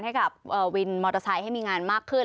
ให้กับวินมอเตอร์ไซค์ให้มีงานมากขึ้น